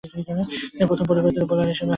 তিনি প্রথম পরিবর্তিত বোলার হিসেবে বল হাতে নেন।